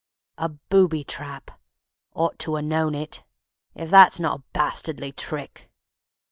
_) A booby trap! Ought to 'a known it! If that's not a bastardly trick!